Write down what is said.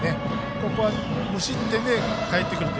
ここは無失点でかえってくると。